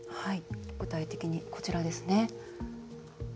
具体的にこちらです。